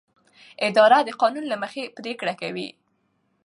اداره د قانون له مخې پریکړه کوي.